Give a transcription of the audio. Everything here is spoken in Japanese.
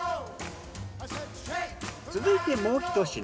続いてもう一品。